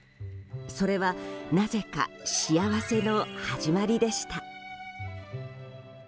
それは、なぜか幸せの始まりでした。